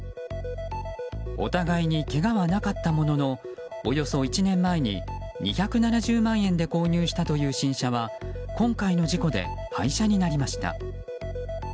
お互いにけがはなかったもののおよそ１年前に２７０万円で購入したという新車は今回の事故で廃車になりました。